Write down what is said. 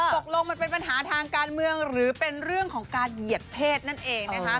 ตกลงมันเป็นปัญหาทางการเมืองหรือเป็นเรื่องของการเหยียดเพศนั่นเองนะคะ